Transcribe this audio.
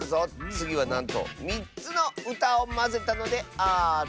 つぎはなんと３つのうたをまぜたのである！